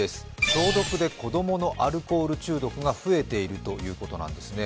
消毒で子供のアルコール中毒が増えているということなんですよね。